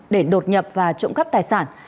để đột nhập và trộm cắp tài sản